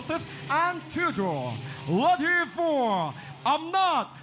สีขาดสีขาดสีขาด